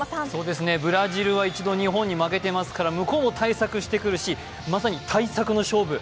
ブラジルは一度日本に負けてますから向こうも対策してくるしまさに対策の勝負。